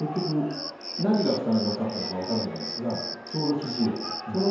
その後に、結局何が負担が掛かったのか分からないんですがちょうど肘を。